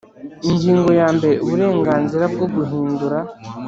Ingingo ya mbere uburenganzira bwo guhindura